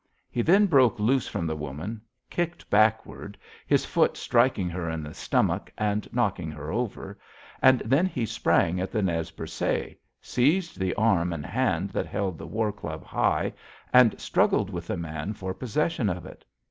He then broke loose from the woman, kicked backward, his foot striking her in the stomach and knocking her over, and then he sprang at the Nez Percé, seized the arm and hand that held the war club high, and struggled with the man for possession of it.